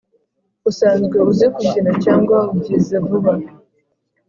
usanzwe uzi kubyina cyangwa ubyize vuba